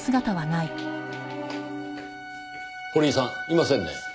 堀井さんいませんね。